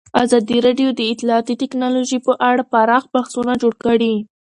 ازادي راډیو د اطلاعاتی تکنالوژي په اړه پراخ بحثونه جوړ کړي.